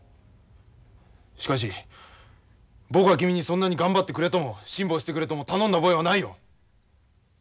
しかし僕は君にそんなに頑張ってくれとも辛抱してくれとも頼んだ覚えはないよ。